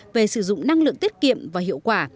về sử dụng năng lượng tiết kiệm và hiệu quả